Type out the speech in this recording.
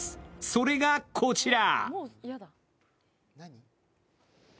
それがこちら！